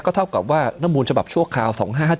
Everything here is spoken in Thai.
เท่ากับว่าน้ำมูลฉบับชั่วคราว๒๕๕๗